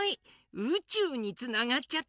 うちゅうにつながっちゃった！